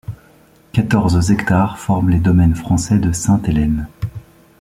Quatorze hectares forment les domaines français de Sainte-Hélène.